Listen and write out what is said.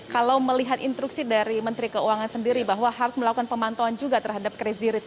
kalau melihat instruksi dari menteri keuangan sendiri bahwa harus melakukan pemantauan juga terhadap crazy rich